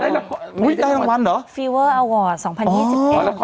อ๋อได้รางวัลอุ้ยได้รางวัลเหรอฟีเวอร์เอาวอร์ดสองพันยี่สิบเอ็งอ๋อ